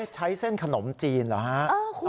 ใช้เส้นขนมจีนหรือครับ